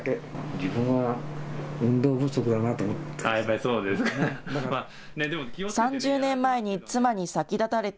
自分は運動不足だなと思って。